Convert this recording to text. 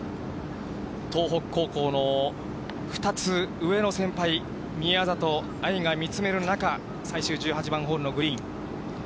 東北高校の２つ上の先輩、宮里藍が見つめる中、最終１８番ホールのグリーン。